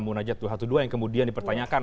munajat dua ratus dua belas yang kemudian dipertanyakan